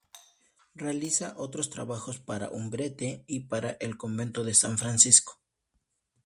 Realiza otros trabajos para Umbrete y para el convento de San Francisco.